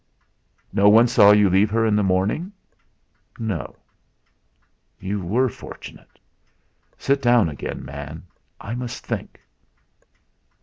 "No one saw you leave her in the morning?" "No." "You were fortunate. Sit down again, man. I must think." Think!